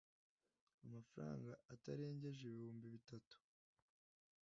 amafaranga atarengeje ibihumbi bitatu